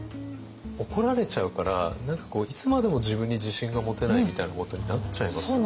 怒られちゃうから何かこういつまでも自分に自信が持てないみたいなことになっちゃいますよね。